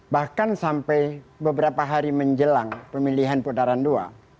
bahkan sampai beberapa hari menjelang pemilihan putaran dua